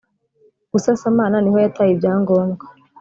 Busasamana niho yataye ibyangombwa